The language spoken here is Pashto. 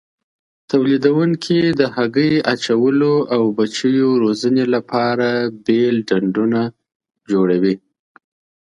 تولیدوونکي د هګۍ اچولو او بچیو روزنې لپاره بېل ډنډونه جوړوي.